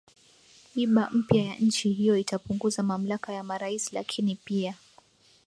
iba mpya ya nchi hiyo itapunguza mamlaka ya marais lakini pia